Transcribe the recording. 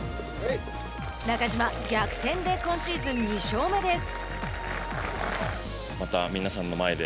中島、逆転で今シーズン２勝目です。